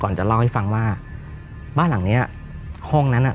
จะเล่าให้ฟังว่าบ้านหลังเนี้ยห้องนั้นอ่ะ